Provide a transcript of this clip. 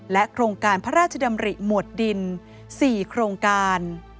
โครงการพระราชดำริหมวดดิน๔โครงการ